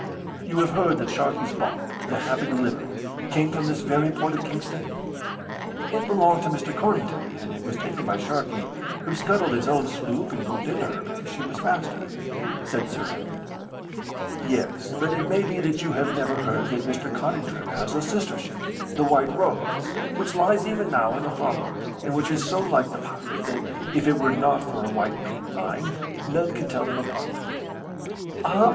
"You have heard that Sharkey's barque, the Happy Delivery, came from this very port of Kingston?" "It belonged to Mr. Codrington, and it was taken by Sharkey, who scuttled his own sloop and moved into her because she was faster," said Sir Edward. "Yes; but it may be that you have lever heard that Mr. Codrington has a sister ship, the White Rose, which lies even now in the harbour, and which is so like the pirate, that, if it were not for a white paint line, none could tell them apart." "Ah!